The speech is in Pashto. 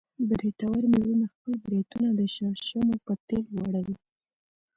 برېتور مېړونه خپل برېتونه د شړشمو په تېل غوړوي.